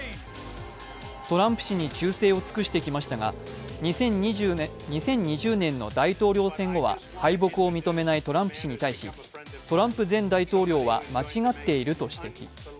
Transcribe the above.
トランプ氏に忠誠を尽くしてきましたが、２０２０年の大統領選後は敗北を認めないトランプ氏に対しトランプ前大統領は間違っていると指摘。